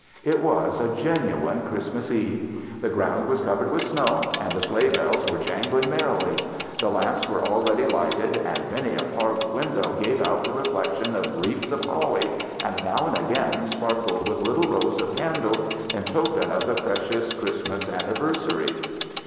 It was a genuine Christmas eve. The ground was covered with snow and the sleigh bells were jangling merrily. The lamps were already lighted, and many a parlor win dow gave out the reflection of wreaths of holly, and now and again sparkled with little 12 THE BAGHELOB'S CHRISTMAS rows of candles in token of tlie precious Christmas anniversary.